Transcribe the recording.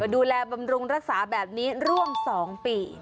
ดูแลบำรุงรักษาแบบนี้ร่วม๒ปี